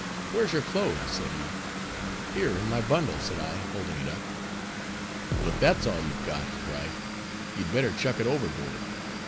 "Where's your clothes?" said he. "Here in my bundle," said I, holding it up. "Well if that's all you've got," he cried, "you'd better chuck it overboard.